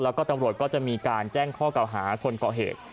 แล้วก็ตำรวจก็จะมีการแจ้งข้อเก่าหาคนก่อเหตุ